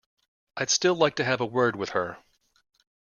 I'd still like to have a word with her.